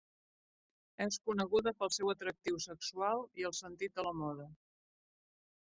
És coneguda pel seu atractiu sexual i el sentit de la moda.